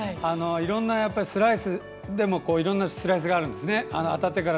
スライスでもいろんなスライスがあるんですね。